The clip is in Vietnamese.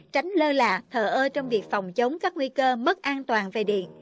tránh lơ lạ thờ ơ trong việc phòng chống các nguy cơ mất an toàn về điện